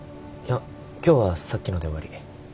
いや今日はさっきので終わり。